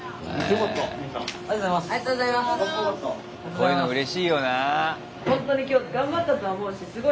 こういうのうれしいよな。